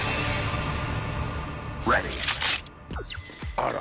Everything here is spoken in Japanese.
あら！